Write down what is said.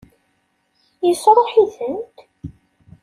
Yesṛuḥ-itent?